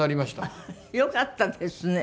よかったですね。